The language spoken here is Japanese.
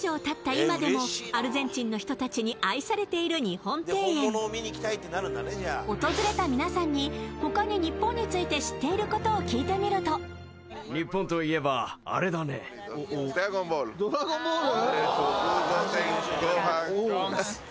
今でもアルゼンチンの人たちに愛されている日本庭園訪れた皆さんに他に日本について知っていることを聞いてみると「ドラゴンボール」？